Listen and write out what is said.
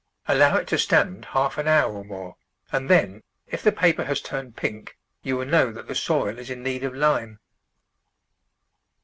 Allow it to stand half an hour or more, and then, if the paper has turned pink, you will know that the soil is in need of lime.